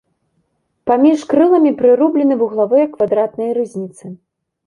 Паміж крыламі прырублены вуглавыя квадратныя рызніцы.